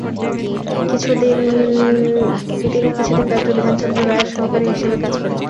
তিনি কিছু দিন ডা.বিধানচন্দ্র রায়ের সহকারী হিসাবে কাজ করেন।